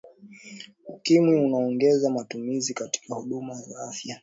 ukimwi unaongeza matumizi katika huduma za afya